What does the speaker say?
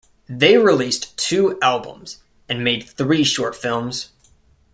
They released two albums and made three short films.